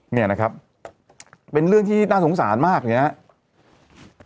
เนี่ยนะครับเป็นเรื่องที่น่าสงสารมากเนี่ยนะฮะ